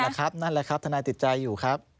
นั่นแหละครับนั่นแหละครับธนายติดใจอยู่ครับ